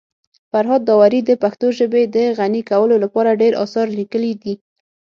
فرهاد داوري د پښتو ژبي د غني کولو لپاره ډير اثار لیکلي دي.